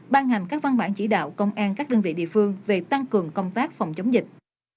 ban hành các văn bản chỉ đạo công an các đơn vị địa phương về tăng cường công tác phòng chống dịch